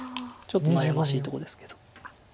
ちょっと悩ましいとこですけど。